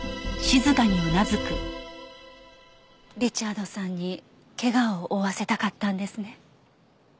リチャードさんに怪我を負わせたかったんですね。